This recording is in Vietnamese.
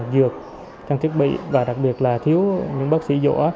dược trong thiết bị và đặc biệt là thiếu những bác sĩ dỗ